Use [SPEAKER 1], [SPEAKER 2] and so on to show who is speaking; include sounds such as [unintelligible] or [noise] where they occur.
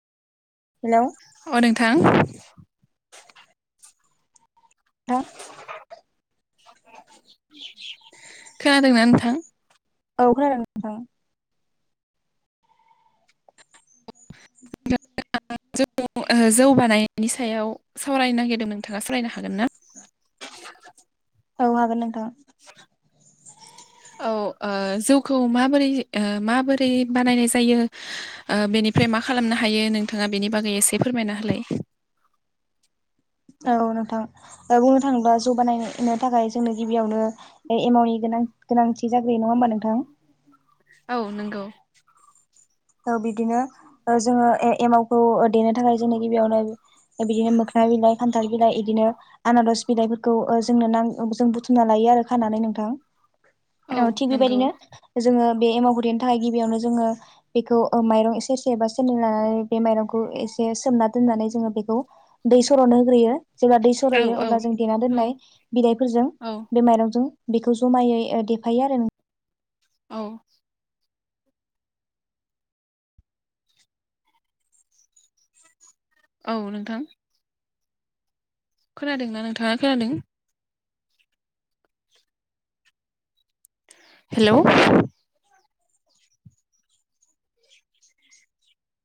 [SPEAKER 1] hello
[SPEAKER 2] अ नोंथां
[SPEAKER 1] हा
[SPEAKER 2] खोनादोंना नोंथां
[SPEAKER 1] औ खोनोदों नोंथां [inaudible]
[SPEAKER 2] [inaudible] जौ बानायनि सायाव सावरायनो नागिरदोंमोन नोंथाङा सावरायनो हागोन ना [inaudible]
[SPEAKER 1] औ हागोन नोंथां
[SPEAKER 2] [inaudible] औ ओ जौखौ माबोरै ओ माबोरै बानायनाय जायो ओ बेनिफ्राय मा खालामनो हायो नोंथाङा बेनि बागै एसे फोरमायना होलाय
[SPEAKER 1] औ नोंथां ओ बुंनो थाङोबा जौ बानायनो थाखाय जोंनो गिबियावनो ओ एमाउनि गोनां गोनांथि जाग्रोयो नङा होमबा नोंथां
[SPEAKER 2] औ नोंगौ
[SPEAKER 1] ओ बिदिनो ओ जोङो ए-एमावखौ देनो थाखाय जोंनो गिबियावनो ओ बेदिनो [unintelligible] खान्थाल बिलाइ इदिनो आनारस बिलाइफोरखौ ओ जोंनो नां ओ जों बुथुमना लायो आरो खानानै नोंथां औ थिग बेबायदिनो जोङो बे एमावगुरिनि थाखाय गिबियावनो जोङो बेखौ ओ माइरं इसे सेबा सेरनै लानानै बे माइरंखौ एसे सोमना दोननानै जोङो बेखौ दै सर'नो होग्रोयो जेब्ला दै
[SPEAKER 2] औ
[SPEAKER 1] सरहयो
[SPEAKER 2] औ
[SPEAKER 1] अब्ला जों देना
[SPEAKER 2] औ
[SPEAKER 1] दोननाय बिलाइफोरजों
[SPEAKER 2] औ
[SPEAKER 1] बे माइरंजों बेखौ जमायै ओ देफायो आरो नों
[SPEAKER 2] औ औ नोंथां खोनादोंना नोंथाङा खोनादों हेलौ